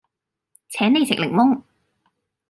請你食檸檬